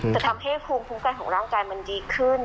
จะทำให้ภูมิคุ้มกันของร่างกายมันดีขึ้น